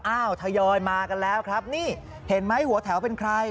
ทยอยมากันแล้วครับนี่เห็นไหมหัวแถวเป็นใคร